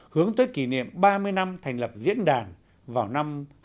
hướng tới kỷ niệm ba mươi năm thành lập diễn đàn vào năm hai nghìn một mươi chín